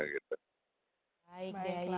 baik daya yi